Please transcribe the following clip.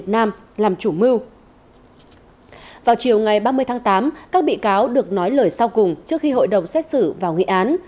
vào chiều ngày ba mươi tháng tám các bị cáo được nói lời sau cùng trước khi hội đồng xét xử vào nghị án